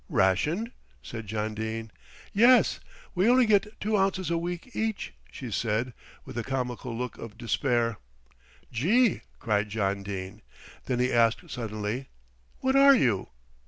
"Rationed?" said John Dene. "Yes; we only get two ounces a week each," she said with a comical look of despair. "Gee!" cried John Dene, then he asked suddenly: "What are you?"